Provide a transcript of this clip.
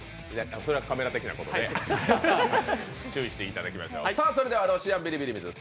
恐らくカメラ的な問題で注意していただきましょう。